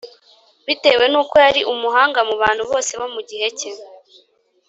bitewe n’uko yari umuhanga mu bantu bose bo mu gihe cye